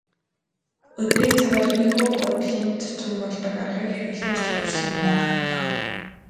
Өдрийн цагаар ийнхүү буудлын зочин болдог аргыг хэрэглэхээр тохирсон юм.